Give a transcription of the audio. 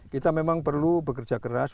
kita memang perlu bekerja keras